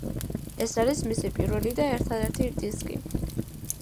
ეს არის მისი პირველი და ერთადერთი დისკი.